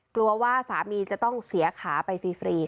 กลัวว่าสามีจะต้องเสียขาไปฟรี